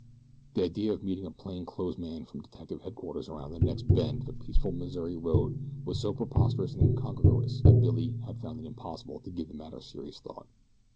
The idea of meeting a plain clothes man from detective headquarters around the next bend of a peaceful Missouri road was so preposterous and incongruous that Billy had found it impossible to give the matter serious thought.